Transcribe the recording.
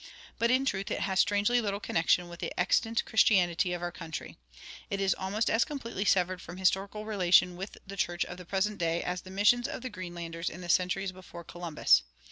But in truth it has strangely little connection with the extant Christianity of our country. It is almost as completely severed from historical relation with the church of the present day as the missions of the Greenlanders in the centuries before Columbus.